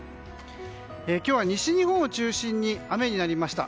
今日は西日本を中心に雨になりました。